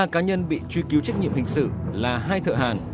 ba cá nhân bị truy cứu trách nhiệm hình sự là hai thợ hàn